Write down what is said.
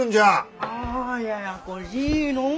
あややこしいのう。